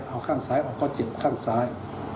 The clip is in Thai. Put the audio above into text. เอาข้างซ้ายออกก็เจ็บข้างซ้าย